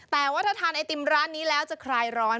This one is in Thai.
แต่ว่าถ้าทานไอติมร้านนี้แล้วจะคลายร้อน